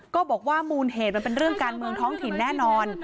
ก็บอกว่ามูลเหตุมันเป็นเรื่องการเมืองท้องถิ่นแน่นอน